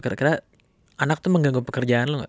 kira kira anak tuh mengganggu pekerjaan lo gak